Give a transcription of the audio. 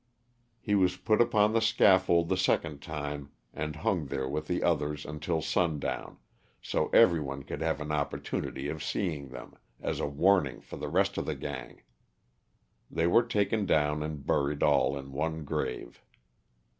He was put upon the scalfold the second time and hung there with the others until sun down, so everyone could have an opportunity of seeing them, as a warning for the rest of the gang. They were taken down and buried all in one grave.